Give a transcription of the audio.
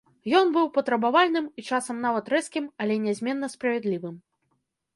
Ён быў патрабавальным і часам нават рэзкім, але нязменна справядлівым.